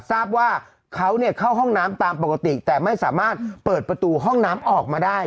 ทราบว่าเขาเข้าห้องน้ำตามปกติแต่ไม่สามารถเปิดประตูห้องน้ำออกมาได้